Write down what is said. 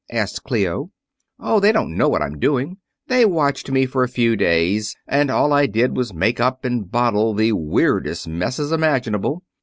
asked Clio. "Oh, they don't know what I'm doing. They watched me for a few days, and all I did was make up and bottle the weirdest messes imaginable.